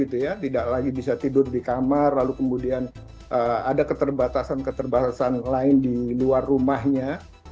tidak lagi bisa tidur di kamar lalu kemudian ada keterbatasan keterbatasan lain di luar rumahnya